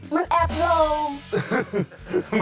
มันแอฟโรม